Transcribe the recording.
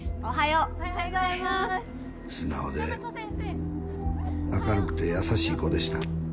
素直で明るくて優しい子でした。